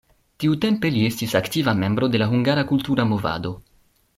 Tiutempe li estis aktiva membro de la hungara kultura movado.